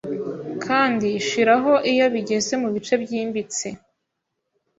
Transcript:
Kandi shiraho iyo bigeze mubice byimbitse